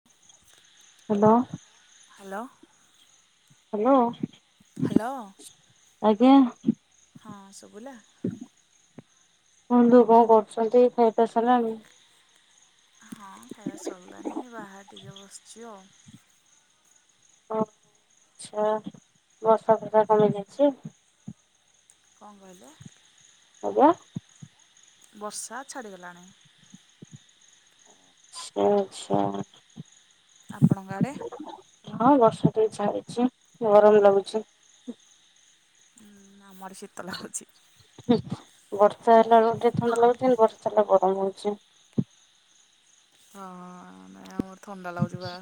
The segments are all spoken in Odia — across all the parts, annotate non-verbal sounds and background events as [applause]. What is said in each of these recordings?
[unintelligible] ହାଲୋ। ହାଲୋ। ହ୍ୟାଲୋ। ହ୍ୟାଲୋ। ଆଜ୍ଞା। ହଁ ସୁଵିଲା। କୁହନ୍ତୁ କଣ କରୁଛନ୍ତି ଖାଇଵା ପିଇବା ସାରିଲାଣି। ହଁ ଖାଇବା ସରିଲାଣି ବାହାରେ ଟିକେ ବସିଛି ଆଉ। ଓ ଆଚ୍ଛା ବର୍ଷା ଫର୍ଷା କମି ଯାଇଛି। କଣ କହିଲ? ଆଜ୍ଞା। ବର୍ଷା ଛାଡିଗଲାଣି। [unintelligible] ଆଛା। ଆପଣଙ୍କ ଆଡେ? ହଁ ବର୍ଷା ଟିକେ ଛାଡିଛି ଗରମ ଲାଗୁଛି। ଆମଆଡେ ଶୀତ ଲାଗୁଛି। ବର୍ଷା ହେଲା ବେଳକୁ ଟିକେ ଥଣ୍ଡା ଲାଗୁଛି ବର୍ଷା ନହେଲେ ଗରମ ହଉଛି। ହଁ ନାଇଁ ଆମର ଥଣ୍ଡା ଲାଗୁଛି ବା।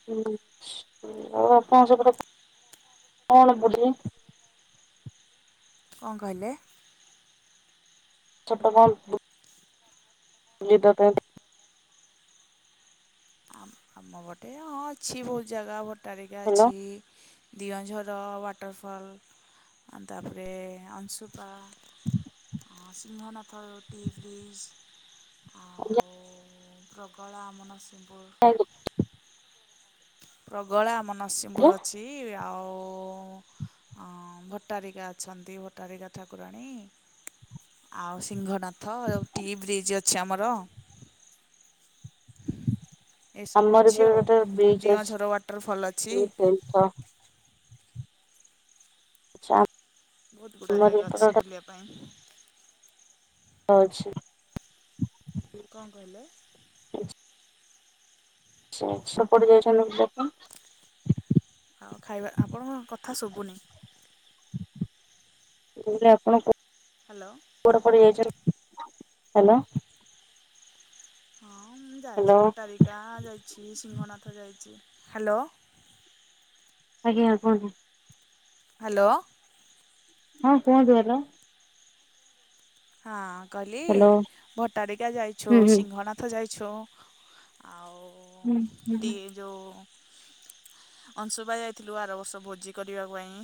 [unintelligible] କଣ କହିଲେ? ଛୋଟ ବଲ୍। [unintelligible] ଆମ ବଟେ ହଁ ଅଛି ବହୁତ ଜାଗା ବଟାରିକା ଭଲ ଅଛି। ଦିଅଁଝର ୱାଟରଫଲ୍ ତାପରେ ଅଂସୁପା। ସିଂହନାଥ ରୁଟି ବ୍ରିଜ ଆଉ ରଗଳା ଆମ ନସିଂପୁର। [unintelligible] ପ୍ରଗଳା ଆମ ନରସିଂହପୁର ଅଛି। ଆଉ ହଁ ଭଟାରିକା ଅଛନ୍ତି ଭଟ୍ଟାରିକା ଠାକୁରାଣୀ। ଆଉ ସିଂହନାଥ ଆଉ ଟି ବ୍ରିଜ୍ ଅଛି ଆମର। ଏସବୁ ଆମର ଅଛି ବି ଆଉ ଗୋଟେ ବ୍ରିଜ ଦିଅଁଝର ୱାଟରଫଲ୍ ଅଛି। [unintelligible] ଚାମ୍ ବହୁତ ଗୁଡ଼ା ଜାଗା ଅଛି ବୁଲିବା ପାଇଁ। ହଉଚି। କଣ କହିଲେ? ସେ ସେପଟେ ଯାଇଛନ୍ତି ବିଲ। ଆଉ ଖାଇବା ଆପଣଙ୍କ କଥା ଶୁଭୁନି? [unintelligible] ଆପଣଙ୍କୁ ହ୍ୟାଲୋ। କୂଅ ରେ ପାଡି ଯାଇଛନ୍ତି। ହଁ ମୁଁ ଯାଇଛି ହ୍ୟାଲୋ ଭଟାର କା ଯାଇଛି ସିଂହନାଥ ଯାଇଛି ହ୍ୟାଲୋ। ଆଜ୍ଞା କୁହନ୍ତୁ? ହ୍ୟାଲୋ। ହଁ କୁହନ୍ତୁ ହେଲୋ? ହଁ କହିଲି ହ୍ୟାଲୋ। ଭଟାରିକା ଯାଇଛୁ ହୁଁ ହୁଁ ସିଂହନା ଥ ଯାଇଛୁ ଆଉ ହୁଁ ହୁଁ ହୁଁ। ଟି ଯୋଉ ଅଂଶୁପା ଯାଇଥିଲୁ ଆର ବର୍ଷ ଭୋଜି କରିବା ପାଇଁ।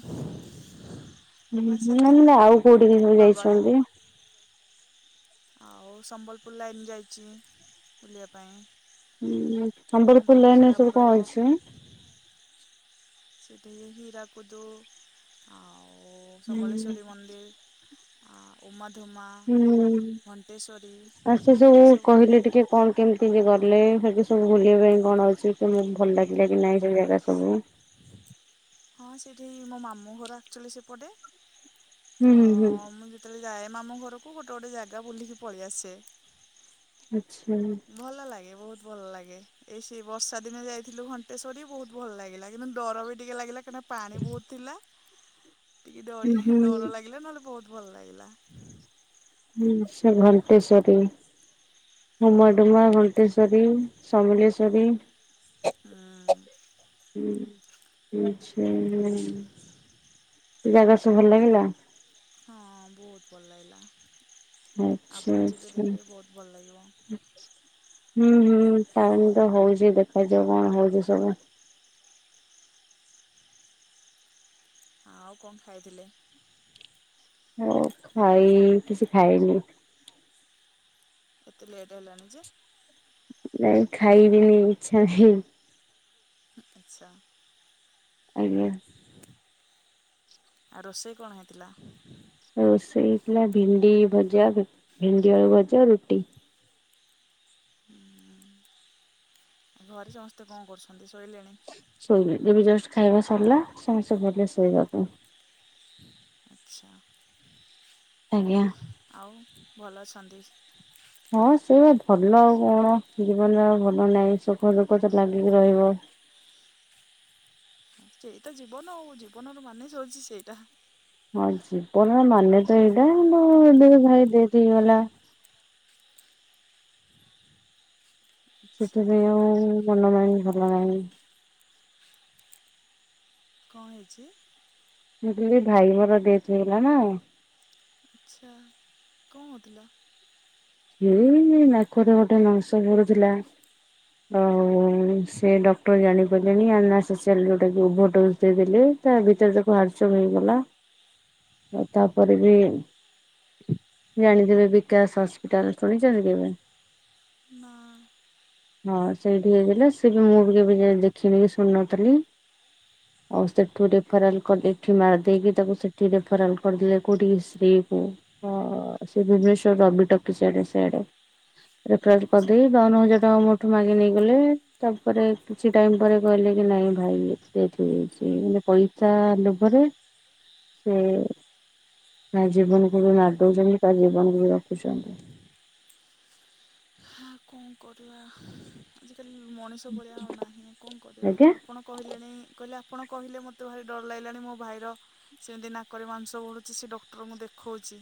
ବାସ୍ ନା ଏତିକି ମାନେ ଆଉ କୋଉଠିକି ସବୁ ପ୍ରବଳ ଯାଇଛନ୍ତି? ଆମେ ଆଉ ସମ୍ବଲପୁର ଲାଇନ୍ ଯାଇଚି ବୁଲିବା ପାଇଁ। ହୁଁ ସମ୍ବଲପୁର ଲାଇନ୍ ସେ ଏ ସବୁ ଆମର କଣ ଅଛି। ସେଠି ହୀରାକୁଦୁ ଆଉ ହୁଁ। ସମଲେଶ୍ୱରୀ ମନ୍ଦିର୍। ଆଉ ଉମାଧୁମା ହୁଁ। ଆଉ ସେ ଘଣ୍ଟେଶ୍ୱରୀ ସବୁ ଏସବୁ କହିଲେ ଟିକେ କଣ କେମିତିଏ ଗଲେ ସେଠି ସବୁ ବୁଲିବା ପାଇଁ କଣ ଅଛି କଣ ଭଲ ଲାଗିଲା କି ନାଇଁ ସେ ଜାଗା ସ ତ ମୁଁ ହଁ ସେଇଠି ମୋ ମାମୁଁ ଘର ଆକଚ୍ୟୁଲି ସେପଟେ। ହୁଁ ତ ହୁଁ ହୁଁ। ମୁଁ ଯେତେବେଳେ ଯାଏ ମାମୁ ଘରକୁ ଗୋଟେ ଗୋଟେ ଜାଗା ବୁଲିକି ପଳେଇ ଆସେ। ଆଚ୍ଛା। ଭଲ ଲାଗେ ବୋହୁତ ଭଲ ଲାଗେ। ଏଇ ସେଇ ବର୍ଷା ଦିନେ ଯାଇଥିଲୁ ଘଣ୍ଟେଶ୍ୱରୀ ବୋହୁ ଭଲ ଲାଗିଲା କିନ୍ତୁ ଡର ବି ଟିକେ ଲାଗିଲା। ହେଟି ପାଣି ବୋହୁତ ଥିଲା ଟିକେ ହୁଁ ଡରି ହୁଁ ଡର ଲାଗିଲା ନହେଲେ ବୋହୁତ ଭଲ ଲାଗିଲା। ହୁଁ ସେ ଘଣ୍ଟେଶ୍ଵରୀ ଉମଡୁମା ଘ ଣ୍ଟଶ୍ୱରୀ, ସମେଲେଶ୍ୱରୀ। ହଁ। ହଁ ଆଚ୍ଛା [unintelligible] ଜାଗା ସବୁ ଭଲ ଲାଗିଲା? ହଁ ବୋହୁତ ଭଲ ଲାଗିଲା। ଆଚ୍ଛା ଆପଣ ଯିବେ ଆଚ୍ଛା ଦେଖିବେ ବୋହୁତ ଭଲ ଲାଗିବ। ହୁଁ ହୁଁ ଟାଇମ୍ ତ ହୋଉଚି ଦେଖାଯାଉ କଣ ହୋଉଚି ସବୁ ଆଉ କଣ ଖାଇଥିଲେ? ହୋ ଖାଇ କିଛି ଖାଇନି। ଏତେ ଲେଟ୍ ହେଲାଣି ଯେ। ନାଇଁ ଖାଇବିନି ଇଚ୍ଛା ନାହିଁ। ଉଁ ଆଚ୍ଛା। ଆଜ୍ଞା। ଆଉ ରୋଷେଇ କଣ ହେଇଥିଲା? ରୋଷେଇ ହେଇ ଥିଲା ଭେଣ୍ଡି ଭଜା ଭେଣ୍ଡି ଆଳୁ ଭଜା ରୁଟି। ହୁଁ ଘରେ ସମସ୍ତେ କଣ କରୁଚନ୍ତି ଶୋଇଲେଣି। ଶୋଇନାହା ଏବେ ଜଷ୍ଟ ଖାଇବା ସରିଲା ସମସ୍ତେ ଗଲେ ଶୋଇବାକୁ। ଆଚ୍ଛା। ଆଜ୍ଞା। ଆଉ ଭଲ ଅଛନ୍ତି? ହଁ ସେଇ ବା ଭଲ ଆଉ କଣ ଜୀବନରେ ଆଉ ଭଲ ନାହିଁ ସୁଖ ଦୁଃଖ ତ ଲାଗିକି ରହିବ। ସେଇତ ଜୀବନ ଆଉ ଜୀବନର ମାନେ ସୋଉଚି ସେଇଟା। ହଁ ଜୀବନର ମାନେ ତ ଏଇଟା ମୋ ଦି ଭାଇ ଦେଥ୍ ହେଇଗଲା। ଆଚ୍ଛା। ସେଥିପାଇଁ ଆଉ ମନ ମାଇଣ୍ଡ ଭଲ ନାହିଁ। କଣ ହେଇଚି? ମୁଁ କହିଲି ଭାଇ ମୋର ଡେଥ୍ ହେଇଗଲା ନା। ଆଚ୍ଛା କଣ ହୋଉଥିଲା? ଏଇ ନାକରେ ଗୋଟେ ମାଂସ ବଢୁଥିଲା। ଆଉ ସେ ଡକ୍ଟର ଜାଣି ପାରିଲେନି ଅନାସୋସିଆଲ୍ ଯୋଉଟାକି ଓଭର ଡୋଜ୍ ଦେଇଦେଲେ। ତା ଭିତରେ ତାକୁ ହାର୍ଟ ଚୋକ୍ ହେଇଗଲା। ଆଉ ତାପରେ ବି ଜାଣିଥିବେ ବିକାଶ ହସ ଏଟାର ସୁଣିଚନ୍ତି ଦିନେ? ନା ହଁ ସେଇଠି ହେଇଥିଲେ ସେବି ମୁବି କେବେ ଯାଇ ଦେଖିନିକି ଶୁଣି ନଥିଲି। ଆଉ ସେଠୁ ରେଫରାଲ୍ କରି ଦେଇକି ଏଠି ମାରି ଦେଇକି ତାକୁ ସେଠି ରେଫରାଲ୍ କରିଦେଲେ କୋଉଠି ଶ୍ରୀ କୁ ହଁ ସେ ଭବନେଶ୍ୱର ରବିଟ ସିଆଡ଼େ ସେଆଡ଼େ ରେଫରାଲ୍ ଆଚ୍ଛା କରିଦେଇକି ବାଉନ ହଜାର ଟଙ୍କା ମୋ ଠୁ ମାଗି ନେଇ ଗଲେ ତାପରେ କିଛି ଟାଇମ୍ ପରେ କହିଲେକି ନାଇଁ ଭାଇ ଡେଥ୍ ହେଇଯାଇଚି ମାନେ ପଇ ଚା ଲୋଭରେ ସେ କାଜୀବନକୁବି ମାରିଦଉଚନ୍ତି କା ଜୀବନକୁବି ରଖୁଚନ୍ତି। ହା କଣ କରିବା ଆଜିକାଲି ମଣିଷ ପଣିଆ ଆଉ ନାହିଁ କଣ କରିବା ଆଜ୍ଞା ଆପଣ କହିଲେଣି କହିଲେ ଆପଣ କହିଲେ ମତେ ଭାରି ଡର ଲାଗିଲାଣି ମୋ ଭାଇର ସେମିତି ନାକରେ ମାଂସ ବଢ଼ୁଚି ସେଡକ୍ଟରଙ୍କୁ ଦେଖଉଚି।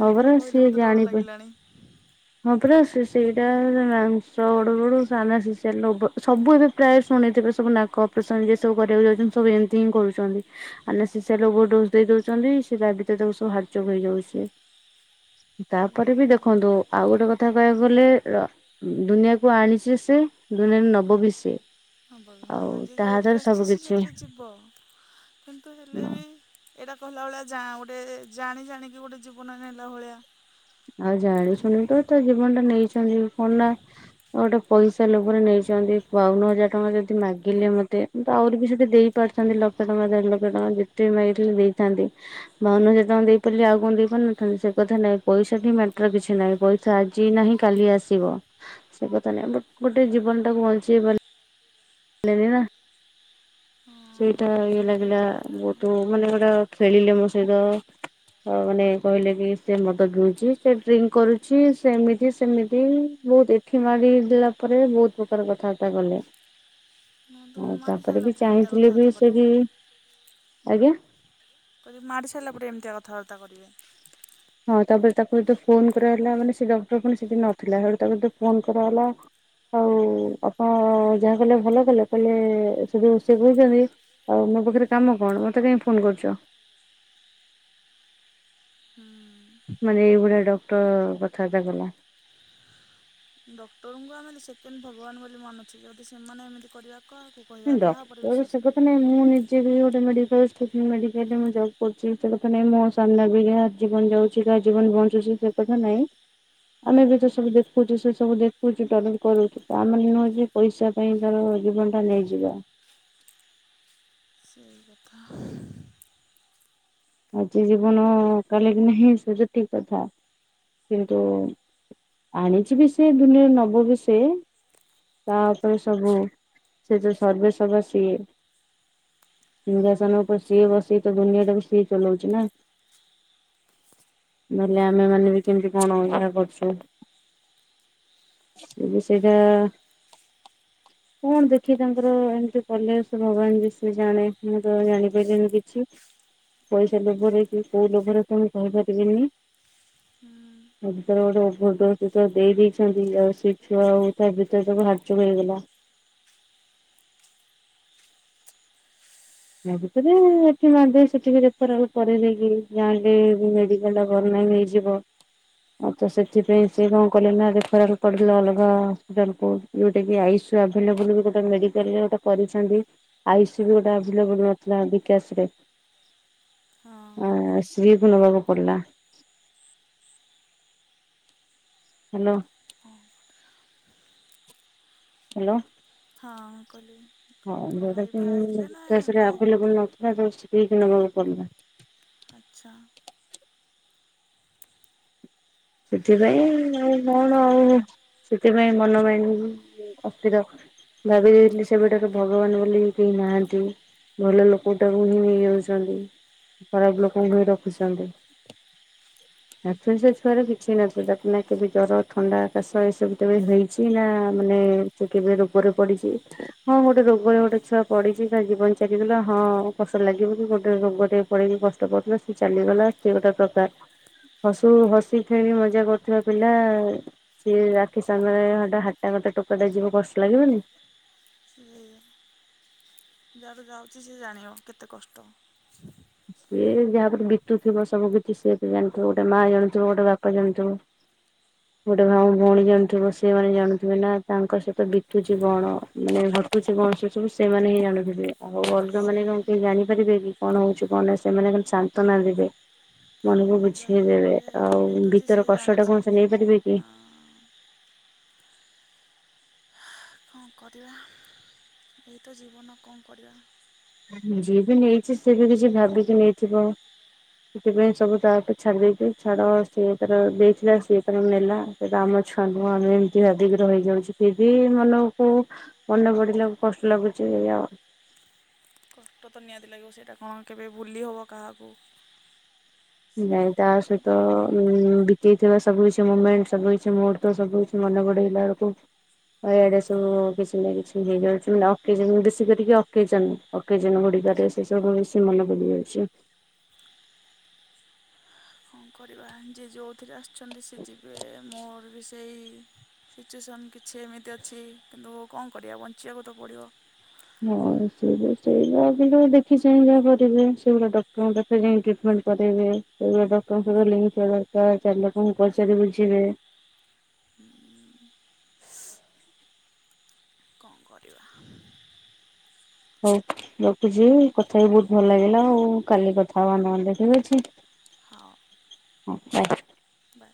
ହଁ ପରା ଆପଣ କହିଲେ ସିଏ ମତେ ଡର ଜାଣିବେ ଲାଗିଲାଣି। ହଁ ପରା ସିଏ ସେଇଟା ପୁରା ମାଂସ ବଢୁ ବଢୁ ସାନ ସିସି ଆଲ୍ ସବୁ ଏବେ ପ୍ରାୟ ଶୁଣିଥିବେ ସବୁ ନାକ [unintelligible] ସବୁ କରିବାକୁ ଯାଉଚନ୍ତି ସବୁ ଏମିତି ହିଁ କରୁଚନ୍ତି। ଆନେସେସିଆଲ ଓଭର ଡୋଜ୍ ଦେଇ ଦଉଚନ୍ତି ସେ ତା ଭିତରେ ତାକୁ ସବୁ ହାଟ୍ ଚୋକ୍ ହେଇଯାଉଚି। ତାପରେବି ଦେଖନ୍ତୁ ଆଉ ଗୋଟେ କଥା କହିବାକୁ ଗଲେ ର ଦୁନିଆକୁ ଆଣିଚି ସେ ଦୁନିଆରୁ ନବବି ସେ। ହଁବ ହଁ ଆଉ ଯିଏ ତା ହାତରେ ଯେଉଁଥିରେ ସବୁ ଆସିଚି ସିଏ କିଛି ସେଥିରେ ଯିବ କିନ୍ତୁ ହେଲେ ବି ଏଇଟା କହିଲା ଭଳିଆ ଜା ଗୋଟେ ଜାଣି ଜାଣିକି ଗୋଟେ ଜୀବନ ନେଲା ଭଳିଆ ଆଉ ଜାଣିଶୁଣିତ ତାଜୀବନଟା ନେଇଚନ୍ତି କଣନା ଗୋଟେ ପଇସା ଲୋଭରେ ନେଇଚନ୍ତି ବାଉନୁ ହଜାର ଟଙ୍କା ଯଦି ମାଗିଲେ ମତେ କିନ୍ତୁ ଆହୁରିବି ସୁଧେ ଦେଇପାରିଥାନ୍ତି ଲକ୍ଷେ ଟଙ୍କା ଦେଢ ଲକ୍ଷ ଟଙ୍କା ଯେତେବି ମାଗିଥିଲେ ଦେଇଥାନ୍ତି। ବାଉନୁ ହଜାର ଟଙ୍କା ଦେଇପାରିଲି ଆଉ କଣ ଦେଇପାରିନଥାନ୍ତି ସେକଥା ନାଇଁ। ପଇସାଟି ମ୍ୟାଟର କିଛି ନାହିଁ ପଇସା ଆଜି ନାହିଁ କାଲି ଆସିବ। ସେକଥା ନାହିଁ ବଟ୍ ଗୋଟେ ଜୀବନ ଟାକୁ ବଞ୍ଚେଇ ପା ରିଲେନିନା। ହଁ ସେଇଟା ଇଏ ଶୁଣିକି ଲାଗିଲା ଭଲ ଲାଗିଲାନି ବହୁତ୍ ମାନେ ଗୋଟେ ଖେଳିଲେ ମୋ ସହିତ। ଅଉ ମାନେ କହିଲେକି ସେମଦ ପିଉଚି ସେଡ୍ରିଙ୍କ କରୁଚି ସେମିତି ସେମିତି ବହୁତ୍ ଖିମାଡ଼ି ଦେଲା ପରେ ବହୁତ୍ ପ୍ରକାର କଥାବାର୍ତ୍ତା କଲେ। ମୁଁ ତ ଆଉ ମାଡ଼ି ସାରିଲା ତାପରେବି ପରେ ଏମିତିଆ ଚାହିଁଥିଲେବି କଥାବାର୍ତ୍ତା କରିବ ସେବି ଆଜ୍ଞା। ମୁଁ କହିଲି ମାରି ସାରିଲା ପରେ ଏମିତିଆ କଥାବାର୍ତ୍ତା କରିବେ। ହଁ ତାପରେ ତାକୁ ଯେତେ ଫୋନ୍ କରାହଲା ମାନେ ସେଡକ୍ଟର ପୁଣି ସେଠି ନଥିଲା ହେଟୁ ତାକୁଯେତେ ଫୋନ୍ କରାହେଲା ଆଉ ଅପଣ ଯାହା କଲେ ଭଲ କଲେ କହିଲେ ସେଟୁ ସେକଉଚନ୍ତି। ଆଉ ମୋପାଖରେ କାମ କଣ ମତେ କାଇଁ ଫୋନ୍ କରୁଚ। ହୁଁ। ମାନେ ଏଇଭଳିଆ ଡକ୍ଟର କଥାବାର୍ତା କଲା। ଡକ୍ଟରଙ୍କୁ ଆମେ ସେକେଣ୍ଡ ଭଗବାନ୍ ବୋଲି ମାନୁଛୁ ଯଦି ସେମାନେ ଏମିତି କରିବା କାହାକୁ କହିବା ନାଇଁ କାହା ଉପରେ ଡକ୍ଟର ବିଶ୍ୱାସ ସେକଥା କରିବା ନାଇଁ ମୁଁ ନି ଜେବି ଗୋଟେ ମଡିକାଲ୍ ଷ୍ଟୁଡେଣ୍ଟ ମୁଁ ଜବ୍ କରୁଚି ସେକଥା ନାଇଁ ମୋ ସାମ୍ନା ବି ଜୀବନ ଯାଉଚି କିଏ କାହା ଜୀବନ ବଞ୍ଚୁଚି ସେକଥା ନାଇଁ ହୁଁ ଆମେବି ତ ସବୁ ଦେଖୁଚୁ ସେ ସବୁ ଦେଖୁଚୁ ଟ୍ରଲେଟ୍ କରୁଚୁ ତାମାନେ ନୁହଁ ଯେ ପଇସା ପାଇଁ ତାର ଜୀବନଟା ନେଇଯିବା। ସେଇ କଥା। ଆଜି ଜୀବନ କାଲିକି ନାହିଁ ସେଟା ଠିକ୍ କଥା କିନ୍ତୁ ଆଣିଛି ବି ସେ ବୁଲେଇ ନବ ବି ସେ ତା ଉପରେ ସବୁ ସେ ଯେ ସର୍ଭ ସଭା ସିଏ। ହଁ ସିଂହାସନ ଉପରେ ସିଏ ବସି କିତ ଦୁନିଆଟାକୁ ସିଏ ଚଲଉଛି ନା। ନହେଲେ ଆମେ ମାନେ ବି କେମିତି କଣ ଅ କରୁଛୁ। ତୁ ବି ସେଇଟା କଣ ଦେଖି ତାଙ୍କର ଏମିତି କଲେ ସେ ଭଗବାନ ବି ସେ ଜାଣେ ମୁଁ ତ ଜାଣିପାରିଲିନି କିଛି। ପଇସା ଲୋଭରେ କି କୋଉ ଲୋଭରେ ତ ମୁଁ କହିପାରିବିନି। ହୁଁ ଭିତରେ ଗୋଟେ ଓଭୋରଡୋଜ୍ ଦେଇଦେଇଛନ୍ତି ଆଉ, ସେ ଛୁଆ ଆଉ ତା ଭିତରେ ତାକୁ ହାଟ୍ଚୋକ୍ ହେଇଗଲା। ତା ଭିତରେ ଏଠି ମାରିଦେଇକି ସେଠି କୁ ରେଫର୍ କରେଇ ଦେଇକି, ଜାଣିଲେ ମେଡିକାଲ୍ ଟା ବଦନାମ଼୍ ହେଇ ଯିବ। ଆଉ ତ ସେଥିପାଇଁ ସେ କଣ କଲେ ନା ରେଫେରାଲ୍ ଅଲଗା ହସ୍ପିଟାଲ୍ କୁ। ଗୋଟେ କି ଆଇଶୁ ଆଭେଲେବୁଲ୍ ବି ଗୋଟେ ମେଡିକାଲ୍ ରେ ଗୋଟେ କରିଛନ୍ତି। ଆଇ ସି ୟୁ ବି ଗୋଟେ ତିଳ ବନ ନଥିଲା ବିକାସ୍ ରେ, ଆ ହଁ ସ୍ତ୍ରୀ କୁ ନବାକୁ ପଡିଲା। ହାଲୋ। ହାଲୋ। ହଁ କଲି। ହଁ ଯୋଉଟା କି ବିକାଶ ରେ ହେଇନାହାନ୍ତି? ଆଭୂଏଲେବୁଲ୍ ନଥିଲା ତ ଶ୍ରୀ କୁ ନେବାକୁ ପଡିଲା। ଆଛା। ସେଥିପାଇଁ ଆଉ କଣ ଆଉ ସେଥିପାଇଁ ମନ ପାଇଁ ଅସ୍ଥିର। ଭାବି ଦେଇଥିଲି ସେବେଠାରୁ ଭଗବାନ ବୋଲି କେହି ନାହାନ୍ତି। ଭଲ ଲୋକ ଟାକୁ ହିଁ ନେଇଯାଉଛନ୍ତି। ଖରାପ ଲୋକଙ୍କୁ ହିଁ ରଖୁଛନ୍ତି। ଆକ୍ଚୁଆଲି ସେ ଛୁଆର କି କିଛି ନଥିଲା। ନା କେବେ ଜର, ଥଣ୍ଡା, କାଶ ଏସବୁ କେବେ ହେଇଛି ନା ମାନେ ସେ କେବେ ରୋଗରେ ପଡିଛି। ହଁ ଗୋଟେ ରୋଗରେ ଗୋଟେ ଛୁଆ ପଡିଛି ତା ଜୀବନ ଚାଲିଗଲା, ହ ପଛରେ ଲାଗିବୁ କି ଗୋଟେ ରୋଗରେ ପଡିକି କଷ୍ଟ ପାଉଥିଲା, ସେ ଚାଲିଗଲା ସେ ଗୋଟେ ପ୍ରକାର ହସୁ ହସି ଖେଳି ମଜା କରୁଥିବା ପିଲା ସିଏ ଆଖି ସାମ୍ନାରେ ହାଟା ଗୋଟା ଟୋକାଟା ଯିବ କଷ୍ଟ ଲାଗିବନି। ହୁଁ, ଯାହାର ଯାଉଛି ସେ ଜାଣିବ କେତେ କଷ୍ଟ। ସିଏ ଯାହାଉପରେ ବିତୁଥିବ ସବୁ କିଛି, ସିଏ ତ ଜାଣିଥିବ ଗୋଟେ ମା ଜାଣୁଥିବ ଗୋଟେ ବାପା ଜାଣୁଥିବ। ଗୋଟେ ଭାଉ ଭଉଣୀ ଜାଣୁଥିବ, ସେମାନେ ଜାଣୁଥିବେ ନା ତାଙ୍କ ସହିତ ବିତୁଛି ବଣ ମାନେ ଘଟୁଛି କଣ, ସେ ସବୁ ସେମାନେ ହିଁ ଜାଥିବେ। ଆଉ ଅଲଗା ସେ ମାନେ ଜାଣିପାରିବେ କି କଣ ହୋଉଛି କଣ ସେମାନେ ଖାଲି ଶାନ୍ତନା ଦେବେ, ସେ ମନକୁ ବୁଝି ଯାହା ଦେଇଦବେ। ଉପରେ ଆଉ ବିତୁଛି ସେ ଭିତର କଷ୍ଟଟା ଜାଣିଛି କଣ ସେ ନେଇପାରିବେ କି? ହଁ କଣ କରିବା? ଇଏ ତ ଜୀବନ କଣ କରିବା? ଯିଏ ବି ନେଇଛି ସିଏ ବି କିଛି ଭାବିକି ନେଇଥିବ। ସେଥିପାଇଁ ସବୁ ତା ଉପରେ ଛାଡି ଦେଇେଛି, ଛାଡ ସିଏ ତାର ଦେଇଥିଲା ସିଏ ତାର ନେଲା। ସେ ଆମ ଛୁଆ ନୁହଁ। ଆମେ ଏମିତି ଭାବିକି ରହିଯାଉଛୁ। ଫିର୍ ବି ମନକୁ ମନେ ପଡିଲାକୁ କଷ୍ଟ ଲାଗୁଛି, ଏଇଆ ଆଉ। କଷ୍ଟ ତ ନିହାତି ଲାଗିବ, ସେଇଟା କଣ କେବେ ଭୁଲି ହେବ କାହାକୁ। ସିଏ ନାଇଁ ତା କଣ ସହିତ, କରିବା ଉଁ ବିତେଇଥିବା ସବୁ କିଛି ମୁମେଣ୍ଟ, ସବୁ କିଛି ମୁଡ୍ ତ ସବୁ ମନେ ପଡେଇଲା ବେଳକୁ ଆ ଏଆଡେ ସବୁ କିଛି ନା କିଛି ହେଇଯାଉଛି। ଓକେଚନ୍ ବେଶୀ କରିକି ଓକେଚନ୍ ରେ। ଅକେ ଯେ ନବ ଡିକାରେ ସେ ସବୁ ଏ ସେ ମନ ବୁଲି ଯାଉଚି। କଣ କରିବା ଯିଏ ଯୋଉଥିରେ ଆସୁଛନ୍ତି ସେ ଯିବେ ମୋର ବି ସେଇ ସିଚୁଏସନ୍ କିଛି ଏମିତି ଅଛି କିନ୍ତୁ କଂ କରିବା ବଞ୍ଚିବାକୁ ତ ପଡ଼ିବ। ହଁ [unintelligible] ଦେଖି ଚାହିଁ ଯାହା କରିବେ ସେଇଗୁଡ଼ା ଡକମେଣ୍ଟ ସେ ଯାଇଁ ଟ୍ରିଟମେଣ୍ଟ କରେଇବେ ସେଗା ଡକ୍ଟରଙ୍କ ସହିତ ଲିିଙ୍କ ଥିବା ଦରକାର ଚାରି ଲୋକଙ୍କୁ ପଚାରି ବୁଝିବେ। [inaudible] କଂ କରିବା। ହଉ ରଖୁଛି ହଉ କଥା ହେଇ ବହୁତ ଭଲ ଲାଗିଲା ଆଉ କାଲି କଥା ହବା ନହେଲେ ଠିକ ଅଛି। ହଉ [inaudible] ବାଏ